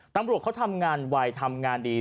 ตำรวจเขาทำงานไวทำงานดี